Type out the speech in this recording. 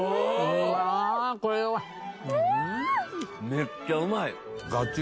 めっちゃうまい！